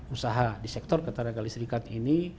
usaha di sektor ketenagaan listrik ini